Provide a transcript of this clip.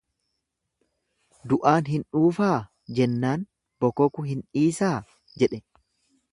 Du'aan hin dhuufaa? jennaan bokoku hin dhiisaa jedhe?.